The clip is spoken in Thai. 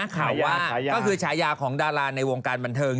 ข่าวว่าคือชาญญาของดาราในวงการบรรทำน์เทิง